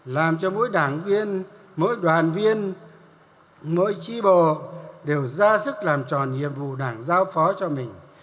làm cho mỗi đảng viên mỗi đoàn viên mỗi tri bộ đều ra sức làm tròn nhiệm vụ đảng giao phó cho mình